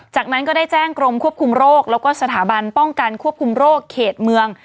จากนั้นก็ได้แจ้งกรมควบคุมโรคแล้วก็สถาบันป้องกันควบคุมโรคเขตเมือง